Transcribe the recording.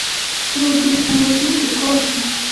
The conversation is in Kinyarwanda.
Urugi rukeneye irindi kote.